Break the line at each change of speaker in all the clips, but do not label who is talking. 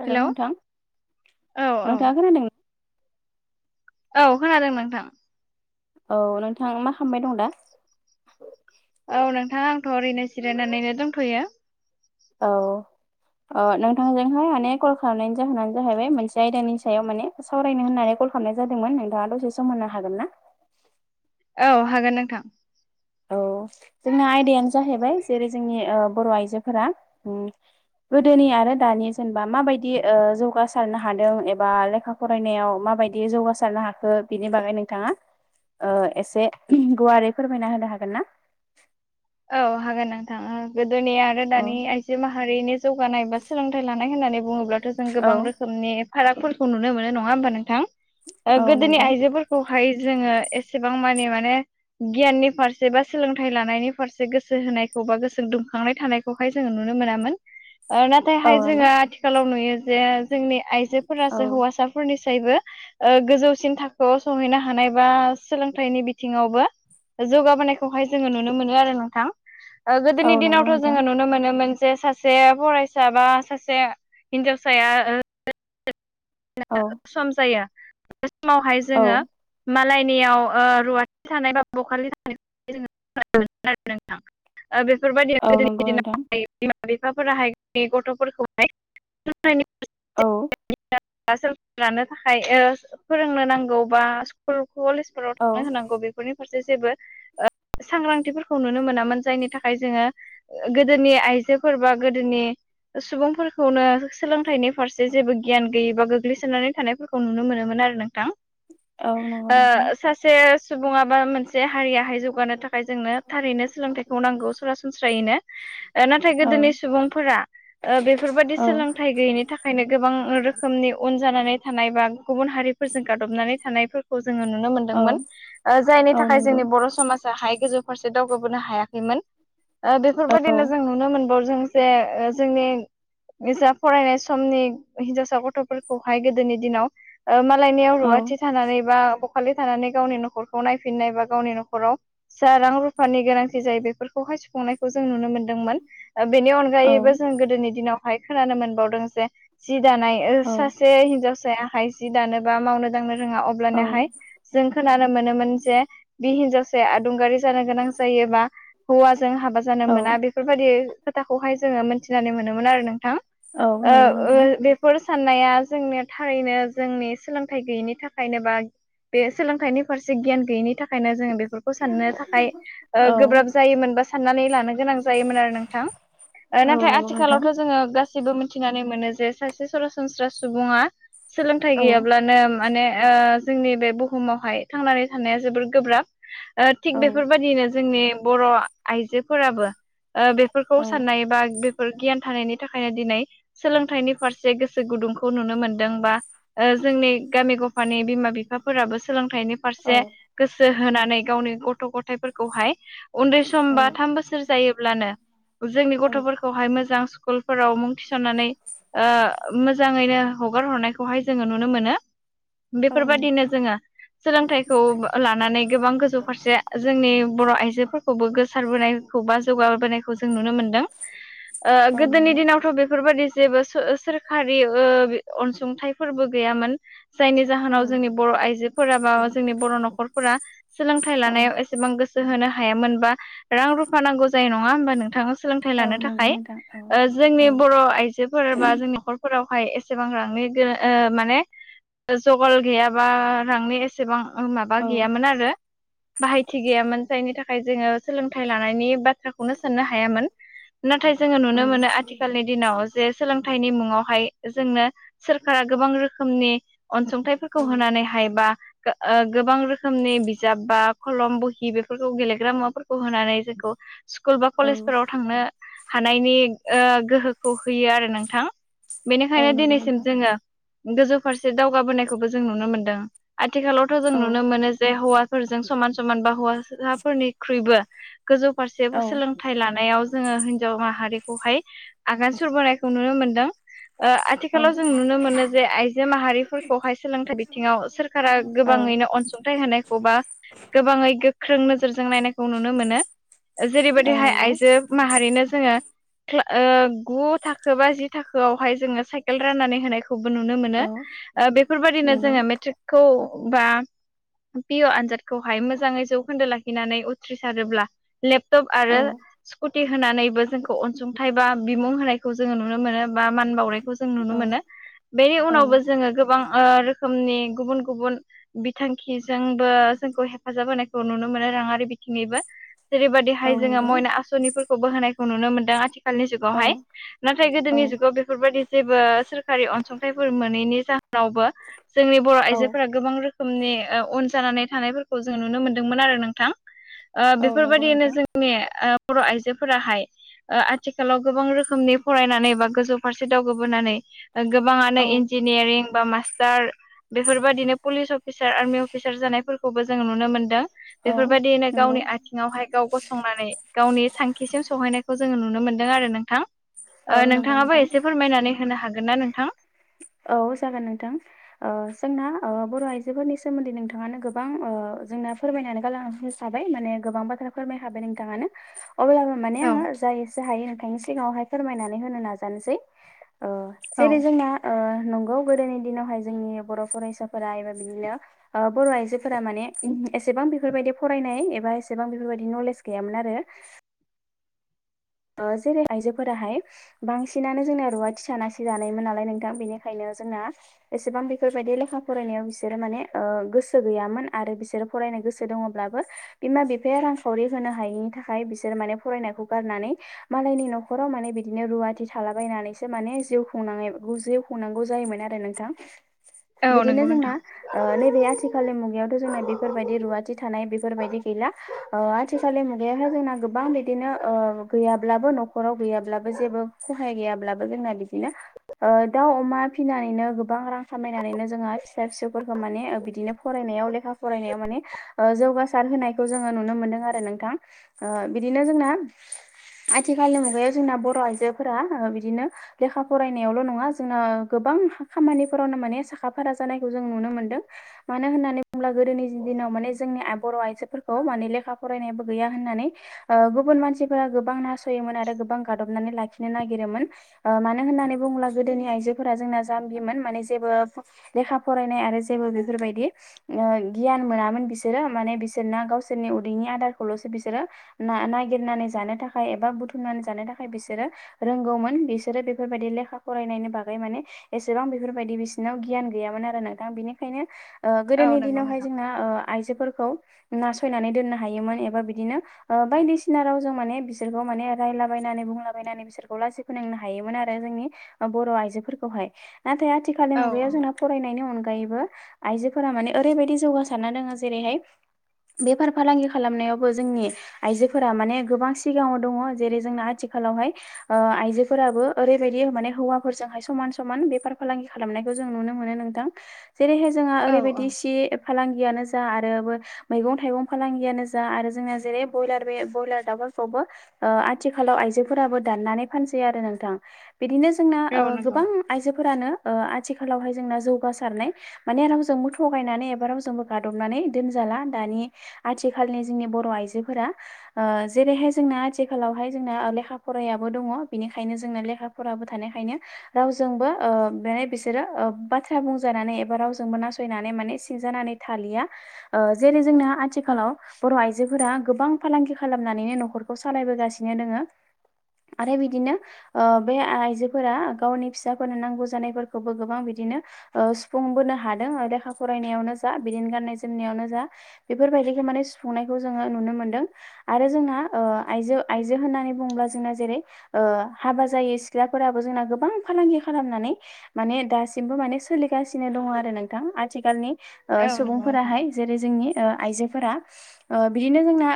हेल'
hello
नोंथां
औ औ
नोंथाङा खोनादों
औ खोनादों नोंथां
औ नोंथां मा खालामबाय दं दा
औ नोंथाङा आंथ' ओरैनो ज जिरायनानैनो दंथ'यो
औ अ नोंथांजोंहाय माने कल खालामनायनि जाहोनानो जाहैबाय मोनसे आयदानि सायाव माने सावरायनो होननानै कल खालामनाय जादोंमोन नोंथाङा दसे सम होननो हागोन ना
औ हागोन नोंथां
औ जोंना आयदायानो जाहैबाय जेरै जोंनि बर' आइजोफोरा गोदोनि आरो दानि जेनेबा माबायदि जौगासारनो हादों एबा लेखा फरायनायाव माबायदि जौगासारनो हाखो बिनि बागै नोंथाङा। एसे गुवारै फोरमायना होनो हागोन ना
औ हागोन नोंथाङा गोदोनि आरो
औ
दानि आ जि माहारिनि जौगानाय बा सोलोंथाइ लानाय होननानै बुङोब्लाथ' जों
औ
गोबां रोखोम रोखोम नि फारागफोरखौ नुनो मोनो नङा होमबा नोंथां
औ
गोदोनि
नंगौ
आइजोफोरखौ खौहाय जोङो एसेबां मानि माने गियाननि फारसे बा सोलोंथाइ लानायनि सेो होनायखौ बा गो दुंखांनाय थानायखौहाय जोङो नुनो मोनामोन
औ
नाथायहाय जोङो
नंगौ
आथिखालाव नुयो जे जोंनि
औ
आइजोफोरासो हौवासा। फोरनिसायबो गोजौसिन थाखोआव संहैनो हानाय बा सोलोंथाइनि बिथिङावबो जौगाबोनायखौहाय जोङो नुनो मोनो आरो थ
औ
गोदोनि
नंगौ
दिनावथ'
नोंथां
जोङो नुनो मोनो मोनसे सासे सासे फरायसा बा सासे हिनजावसाया
औ।
सम जायो बे समावहाय
औ
जोङो। मालायनियाव ओ रुवाथि थानाय बा बखालि ओ बेफोरबायदि
औ नंगौ
गोदोनि
नोंथां
दिनावहाय बिमा बिफाफोराहाय गथ'फोरखौहाय
औ
बा सोलोंथाइ लानो थाखाय ओ फोरोंनो नांगौ बा स्कुल कलेजफोराव
औ
थांनो होनांगौ बेखौ। न'खरनि फारसे जेबो ओ सांग्रांथिफोरखौ नुनो मोनामोन जायनि थाखाय जोङो। गोदोनि आइजोफोर बा गोदोनि सुबुंफोरखौनो सोलोंथाइनि फारसे जेबो गियान गैयिबा गोग्लैसोनानै थानायफोरखौ नुनो मोनोमोन आरो
औ नंगौ नोंथां
नोंथां। सासे सुबुङा बा मोनसे हारियाहाय जौगानो थाखाय। मफ्राय जोंनो थारैनो सोलोंथाइखौ नांगौ सरासनस्रायैनो नाथाय
औ
गोदोनि सुबुंफोरा बेफोरबायदि
औ
सोलोंथाइ गैयिनि थाखायनो गोबां। रोखोमनि उन जानानै थानाय बा गुबुन हारिफोरजों गादबनानै थानाय। खौ जोङो नुनो
औ
मोनदोंमोन जायनि
औ
थाखाय
नंगौ
जोंनि बर' समाज गोजौ फारसे दावगाबोनो हायाखैमोन
औ
बेफोरबायदिनो जों नुनो मोन जों जे जोंनि ओजा फरायनाय समनि। हिनजावसा गथ'फोरखौहाय गोदोनि दिनाव मालायनियाव
औ
रुवाथि थानानै बा बखालि थानानै गावनि न'खरखौ नायफिननाय बा गावनि न'खराव जा रां रुफानि गोनांथि जायो बेफोरखौहाय सुफुंनायखौ जों नुनो मोनदोंमोन बेनि अनगायैबो जों गोदोनि दिनावहाय खोनानो मोनबावदों जे जि दानाय
औ
सासे हिनजावसायाहाय जि दानो बा मावनो दांनो रोङा
औ
अब्लानाहाय जों खोनानो मोनोमोन जे बि हिनजावसाया आदुंगारि जानो गोनां जायोबा हौवाजों हाबा। जानो
औ
मोना बेफोरबायदि खोथाखौहाय जोङो मोनथिनानै मोनोमोन आरो नोंथां।
औ
ओ
नंगौ
ओ
नोंथां।
बेफोर साननाया जोंनि थारैनो जोंनि सोलोंथाइ गैयिनि थाखायनो बा बे सोलोंथाइनि फारसे गियान गैयिनि थाखायनो जोङो बेफोर खौ साननो थाखाय ओ
औ
गोब्राब जायोमोन बा साननानै लानो गोनां। जायोमोन आरो नोंथां
औ
नाथाय
नंगौ नोंथां
आथिखालावथ' जोङो गाससिबो मिथिनानै मोनो। जे सासे सरासनस्रा सुबुङा सोलोंथाइ
औ
गैयाब्ला। अब्लानो माने जोंनि ओ बे बुहुमावहाय थांनानै थानाया जोबोर गोब्राब ओ थिग
औ
बेफोरबायदिनो जोंनि बर' आइजोफोराबो ओ बेफोरखौ
औ
साननाय बा बेफोर गियान थानायनि थाखायनो दिनै सोलोंथाइ थाइनि फारसे गोसो गुदुंखौ नुनो मोनदों बा जोंनि गामि गफानि बिमा बिफाफोराबो सोलोंथाइनि
औ
फारसे गोसो होनानै गावनि गथ' गथाय' थायफोरखौहाय उन्दै सम बा थाम बोसोर जायोब्लानो जोंनि
औ
गथ'फोरखौहाय मोजां स्कुलफोराव मुं थिसननानै ओ मोजाङैनो हगारहरनायखौहाय जोङो नुनो मोनो
औ नों
बेफोरबायदिनो जोङो सोलोंथाइखौ लानानै गोबां गोजौ फारसे जोंनि बर' आइजोफोरखौबो गोसार बोनायखौ बा जौगाबोनायखौ खौ जों नुनो मोनदों ओ
औ
गोदोनि
नंगौ
दिनावथ' बेफोरबायदि जेबो सोरखारि ओ अनसुंथाइफोरबो गैयामोन जायनि
औ
जाहोनाव जोंनि बर' आइजोफोरा बा जोंनि बर' न'खरफोरा सोलोंथाइ लानायाव एसेबां गोसो होनो हायामोनबा रां रुफा नांगौ जायो नङा होमबा नोंथां सोलोंथाइ
औ
लानो
नंगौ
थाखाय
नोंथां
ओ जोंनि
औ औ औ
बर' आइजोफोर बा जोंनि न'खरफोरावहाय एसेबां रांनि गो ओ माने जगल गैयाबा रांनि एसेबां माबा गैयामोन आरो बाहायथि गैयामोन जायनि थाखाय जोङो सोलोंथाइ लानायनि बाथ्राखौनो साननो हायामोन नाथाय जोङो
औ
नुनो मोनो आथिखालनि दिनाव जे सोलोंथाइनि मुङावहाय जोंनो सोरखारा गोबां रोखोमनि अनसुंथाइफोरखौ होनानैहाय बा गोबां रोखोमनि बिजाब बा खलम बहि बेफोरखौ गेलेग्रा मुवाफोरखौ होनानै जोंखौ स्कुल बा कलेजफोराव थांनो हानायनि ओ गोहोखौ होयो आरो नोंथां
औ
बेनिखायनो
नंगौ
दिनैसिम
नोंथां
जोङो गोजौ फारसे दावगाबोनायखौबो जों नुनो मोनदों आथिखालावथ' जों नुनो
औ
मोनो जे हौवाफोरजों समान समान बा हौवासाफोरनिख्रुइबो गोजौ फारसेबो सोलोंथाइ लानायाव जोङो हिनजाव माहारिखौहाय आगान सुरबोनायखौ नुनो मोनदों ओ
औ
आथिखालाव जों नुनो मोनो जे आइजो माहारिफोरखौहाय सोलोंथाइ बिथिङाव सोर- सोरखारा
औ औ
गोबाङैनो अनसुंथाइ होनायखौबा गोबाङै गोख्रों नोजोरजों नायनायखौ नुनो मोनो
औ
जेरैबायदिहाय
नंगौ
आइजो माहारिनो जोङो ओ गु- थाखो बा जि थाखोआवहाय जोङो साइकेल राननानै होनायखौ खौबो नुनो मोनो
औ
ओ बेफोरबायदिनो
नंगौ
जोङो मेट्रिकखौ बा पि य' आनजादखौहाय मोजाङै जौखोन्दो लाखिनानै उथ्रिसारोब्ला लेपटप
औ
आरो स्कुटि होनानैबो जोंखौ अनसुंथाइ बा बिमुं होनाय खौ जोङो नुनो मोनो बा मान बावनायखौ जों
औ
नुनो मोनो बेनि
औ
उनावबो जोङो गोबां रोखोमनि गुबुन गुबुन बिथांखिजोंबो जोंखौ हेफाजाब होनायखौ नुनो मोनो रांआरि बेथिंनिबो
औ
जेरैबायदिहाय जोङो
नंगौ
मयना आसनिफोरखौबो होनायखौ नुनो मोनदों आथिखालनि
औ
जुगावहाय नाथाय
औ
गोदोनि जुगाव बेफोरबायदि जेबो सोरखारि अनसुंथाइफोर मोनैनि जाहोनावबो जोंनि बर'
औ
आइजोफोरा गोबां रोखोमनि उन जानानै थानायफोरखौ जोङो नुनो मोनदोंमोन आरो नोंथां ओ
औ नंगौ
बेफोरबायदिनो
नोंथां
जोंनि बर' आइजोफोराहाय आथिखालाव गोबां रोखोमनि फरायनानै बा गोजौ फारसे दावगाबोनानै गोबाङानो
औ
इन्जिनियारिं बा मास्टार बेफोरबायदिनो पुलिस अफिसार आर्मि अफिसार जानायफोरखौबो जोङो नुनो मोनदों
औ
बेफोरबायदिनो
नंगौ
गावनि आ- -थिङावहाय गाव गसंनानै गावनि थांखिसिम सहैनायखौ जोङो नुनो मोनदों आरो नोंथां
औ
ओ
नंगौ
नोंथाङाबो
नोंथां
एसे फोरमायनानै होनो हागोन ना नोंथां?
औ जागोन नोंथां ओ जोंना ओ बर' आइजोफोरनि सोमोन्दै नोंथाङानो गोबां ओ जोंना फोरमायनानै गालां- बाय माने गोबां बाथ्रा फोरबायखाबाय नोंथाङानो अब्लाबो माने
औ
आङो जा एसे हायो नोंथांनि सिगाङावहाय फोरमायनानै होनो नाजानोसै ओ
औ
जेरै जोंना ओ नंगौ गोदोनि दिनावहाय जोंनि बर' फरायसाफोरा एबा बिदिनो बर' आइजोफोरा माने एसेबां बेफोरबायदि फरायनाय एबा एसेबां बेफोरबायदि नलेज गैयामोन आरो जेरै आयजोफोराहाय बांसिनानो जोंना रुवाथि थानानैसो जानायमोन नालाय नोंथां बेनिखायनो जोंना एसेबां बेफोरबायदि लेखा फरायनायाव बिसोरो माने गोसो गैयामोन आरो बिसोर फरायनो गोसो दङब्लाबो बिमा बिफाया रांखावरि होनो हायिनि थाखाय बिसोर माने फरायनायखौ गारनानै मालायनि न'खराव माने बिदिनो रुवाथि थालाबायनानैसो माने जिउ खुंनाङो खुंनांगौ जायोमोन आरो नोंथां
औ
बिदिनो
नंगौ
जोंना
नोंथां
नैबे आथिखालनि मुगायावथ' जोंना बेफोरबायदि रुवाथि थानाय बेफोरबायदि गैला आथिखालि मुगायाव जोंना गोबां बिदिनो गैयाब्लाबो न'खराव गैयाब्लाबो जेबो खहाय गैयाब्लाबो जोंना बिदिनो दाउ अमा फिनानैनो गोबां रां खामायनानैनो जोंहा फिसा फिसौफोरखौ माने बिदिनो फरायनायाव लेखा फरायनायाव माने जौगासार होनायखौ जोङो नुनो मोनदों आरो नोंथां बिदिनो जोंना आथिखालनि मुगायाव जोंना बर' आइजोफोरा बिदिनो लेखा फरायनायावल' नङा जोंना गोबां खामानिफोरावनो माने साखा फारा जानायखौ जों नुनो मोनदों मानो होननानै बुङोब्ला गोदोनि दिनाव माने जोंनि बर' आइजोफोरखौ माने लेखा फरायनायाबो गैया होननानै गुबुन मानसिफोरा गोबां नासयोमोन आरो गोबां गादबनानै लाखिनो नागिरोमोन मानो होननानै बुङोब्ला गोदोनि आइजोफोरा जोंना जाम्बिमोन माने जेबो लेखा फरायनाय आरो जेबो बेफोरबायदि गियान मोनामोन बिसोरो माने बिसोरना गावसोरनि उदैनि आदारखौल'सो बिसोरो ना नागिरनानै जानो थाखाय एबा बुथुमनानै जानो थाखाय बिसोरो रोंगौमोन बिसोरो बेफोरबायदि लेखा फरायनायनि बागै माने एसेबां बेफोरबायदि बिसोरनाव गियान गैयामोन आरो नोंथां बिनिखायनो
औ
गोदोनि
नंगौ
दिनावहाय
नोंथां
जोंना आइजोफोरखौ नासयनानै दोननो हायोमोन एबा बिदिनो बायदिसिना राव जों माने बिसोरखौ माने रायलाबायनानै बुंलाबायनानै बिसोरखौ लासि फोनांनो हायोमोन आरो जोंनि बर' आइजोफोरखौहाय नाथाय आथिखालनि
औ
मुगायाव जोंना फरायनायनि अनगायैबो आइजोफोरा माने ओरैबायदि जौगासारना दङो जेरैहाय बेफार फालांगि खालामनायावबो जोंनि आइजोफोरा माने गोबां सिगाङाव दङ जेरै जोंना आथिखालावहाय आइजोफोराबो ओरैबायदि माने हौवाफोरजोंहाय समान समान बेफार फालांगि खालामनायखौ जों नुनो मोनो नोंथां जेरैहाय जोंहा
औ
ओरैबायदि
औ
सि फालांगियानो जा आरो मैगं थाइगं फालांगियानो जा आरो जोंना जेरै ब्रयलार बे ब्रयलार खौबो आथिखालाव आइजोफोराबो दान्नानै फानसै आरो नोंथां बिदिनो जोंना
औ नंगौ
गोबां आइजोफोरानो आथिखालावहाय जोंना जौगासारनाय माने रावजोंबो थगायनानै एबा रावजोंबो गादबनानै दोनजाला दानि आथिखालनि जोंनि बर' आइजोफोरा जेरैहाय जोंना आथिखालावहाय जोंना लेखा फरायाबो दङ बेनिखायनो जोंना लेखा फराबो थानायखायनो रावजोंबो माने बिसोरो बाथ्रा बुंजानानै एबा रावजोंबो नासयनानै माने सिंजानानै थालिया जेरै जोंना आथिखालाव बर' आइजोफोरा गोबां फालांगि खालाम खालामनानैनो न'खरखौ सालायबोगासिनो दोङो आरो बिदिनो बे आइजोफोरा गावनि फिसाफोरनो नांगौ जानायफोरखौबो गोबां बिदिनो सुफुंबोनो हादों लेखा फरायनायावनो जा बिदिनो गाननाय जोमनायावनो जा बेफोरबायदिखौ माने सुफुंनायखौ जोङो नुनो मोनदों आरो जोंना आइजो आइजो होननानै बुङोब्ला जोंना जेरै हाबा जायै सिख्लाफोराबो जोंना गोबां फालांगि खालामनानै माने दासिमबो माने सोलिगासिनो दङ आरो नोंथां आथिखालनि
औ नंगौ नोंथां
सुबुंफोराहाय जेरै जोंनि आइजोफोरा बिदिनो जोंना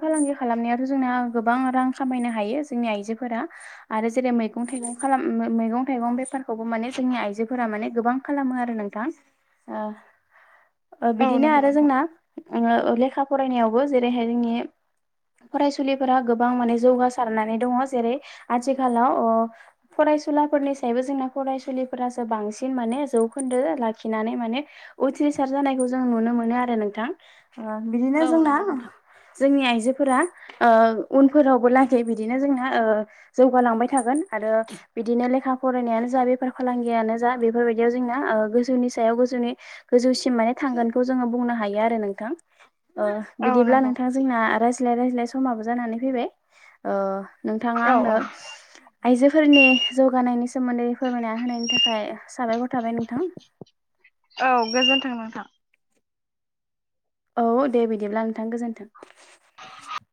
फालांगि खालामनायावाथ' जोंना गोबां रां खामायनो हायो जोंनि आइजोफोरा आरो जेरै मैगं थाइगं खालाम मैगं थाइगं बेफारखौबो माने जोंनि आइजोफोरा माने गोबां खालामो आरो नोंथां
औ
बिदिनो
नंगौ
आरो
नोंथां
जोंना लेखा फरायनायावबो जेरैहाय जोंनि फरायसुलिफोरा गोबां माने जौगासारनानै दङ जेरै आथिखालाव फरायसुलाफोरनि सायावबो जोंना फरायसुलिफोरासो बांसिन माने जौखोन्दो लाखिनानै माने उथ्रिसार जानायखौ जों नुनो मोनो आरो नोंथां बिदिनो
औ
जोंना
नंगौ नोंथां।
जोंनि आइजोफोरा उनफोरावबो लागै बिदिनो जोंना जौगालांबाय थागोन आरो बिदिनो लेखा फरायनायानो जा बेफार फालांगियानो जा बेफोरबायदियाव जोंना गोजौनि सायाव गोजौनि गोजौसिम माने थांगोनखौ जोङो बुंनो हायो आरो नोंथां
औ
बिदिब्ला
नंगौ
नोंथां जोंना रायज्लाय रायज्लाय समाबो जानानै फैबाय नोंथाङा
औ
आंनो आइजोफोरनि जौगानायनि सो सोमोन्दै फोरमायना होनायनि थाखाय साबायखर थाबाय नोंथां
औ गोजोन्थों नोंथां
औ दे बिदिब्ला नोंथां गोजोन्थों
[inaudible]